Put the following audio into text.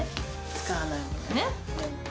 使わないものね。